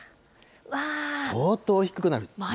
相当低くなる。